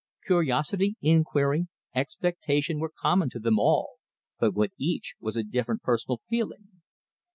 Curiosity, inquiry, expectation, were common to them all, but with each was a different personal feeling.